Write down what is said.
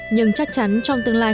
nhưng chắc chắn trong tương lai